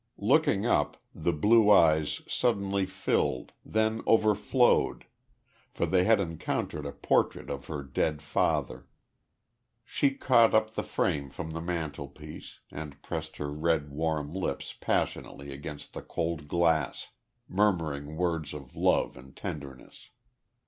Looking up, the blue eyes suddenly filled, then overflowed, for they had encountered a portrait of her dead father. She caught up the frame from the mantelpiece, and pressed her red warm lips passionately against the cold glass, murmuring words of love and tenderness.